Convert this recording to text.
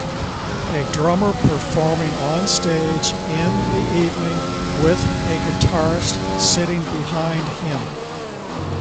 A drummer performing on stage in the evening with a guitarist sitting behind him